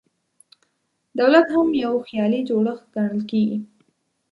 دولت هم یو خیالي جوړښت ګڼل کېږي.